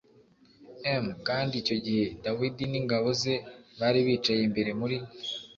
m kandi icyo gihe Dawidi n ingabo ze bari bicaye imbere muri